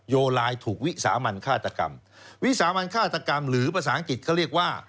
โยลายถูกวิสามันฆาตกรรมวิสามันฆาตกรรมหรือภาษาอังกฤษเขาเรียกว่า